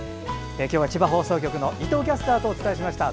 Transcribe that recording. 今日は、千葉放送局の伊藤キャスターとお伝えしました。